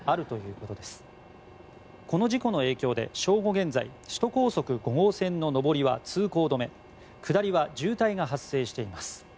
この事故の影響で、正午現在首都高速５号線の上りは通行止め下りは渋滞が発生しています。